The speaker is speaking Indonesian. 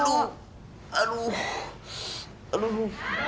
aduh aduh aduh